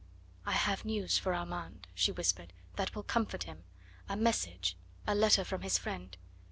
"I have news for Armand," she whispered, "that will comfort him, a message a letter from his friend.